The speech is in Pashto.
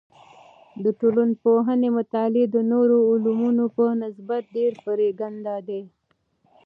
د ټولنپوهنې مطالعې د نورو علمونو په نسبت ډیر پریکنده دی.